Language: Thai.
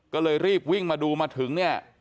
ก็เลยรีบวิ่งมาดูมาถึงเนี่ย